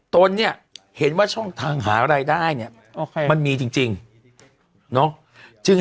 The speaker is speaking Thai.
ตนเนี่ยเห็นว่าช่องทางหารายได้เนี่ยมันมีจริงเนาะ